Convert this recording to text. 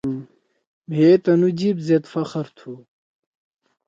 مھئے تنُو جیِب زید فخر تُھو۔